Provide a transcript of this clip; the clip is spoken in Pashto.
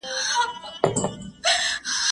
زه مخکي ليکنه کړې وه،